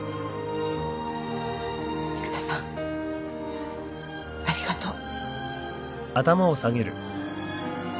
育田さんありがとう。